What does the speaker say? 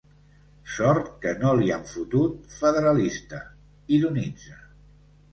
“Sort que no li han fotut ‘federalista’!”, ironitza.